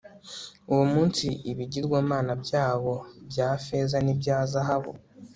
uwo munsi ibigirwamana byabo bya feza n'ibya zahabu